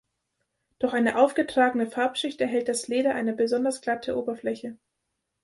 Durch eine aufgetragene Farbschicht erhält das Leder eine besonders glatte Oberfläche.